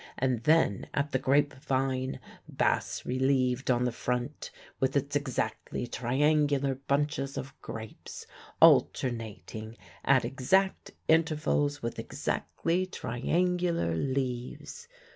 and then at the grape vine, bass relieved on the front, with its exactly triangular bunches of grapes, alternating at exact intervals with exactly triangular leaves.